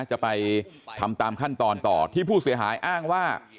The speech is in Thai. จะไปทำตามขั้นตอนต่อที่ผู้เสียหายอ้างว่า